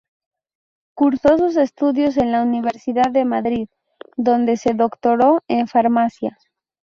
Cursó sus estudios en la Universidad de Madrid, donde se doctoró en farmacia.